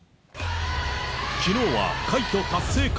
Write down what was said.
きのうは快挙達成か？